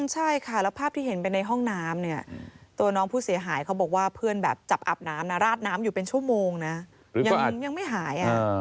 ใช่ค่ะแล้วภาพที่เห็นไปในห้องน้ำเนี่ยตัวน้องผู้เสียหายเขาบอกว่าเพื่อนแบบจับอาบน้ำนะราดน้ำอยู่เป็นชั่วโมงนะยังไม่หาย